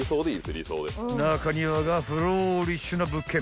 ［中庭がフローリッシュな物件